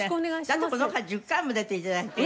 だってこの方１０回も出て頂いてる。